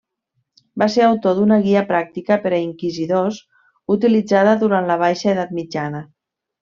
Va ser autor d'una guia pràctica per a inquisidors utilitzada durant la baixa edat mitjana.